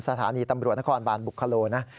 สถานีตำรวจนครบานบุคโลนะ